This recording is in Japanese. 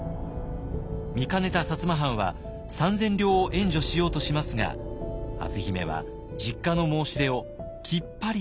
見かねた薩摩藩は三千両を援助しようとしますが篤姫は実家の申し出をきっぱりと断ります。